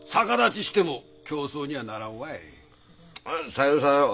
さようさよう。